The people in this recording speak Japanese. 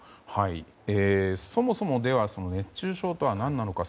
そもそも熱中症とは何なのか。